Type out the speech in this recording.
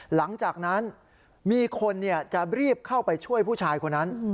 หลังจากนั้นมีคนจะรีบเข้าไปช่วยผู้ชายคนนั้น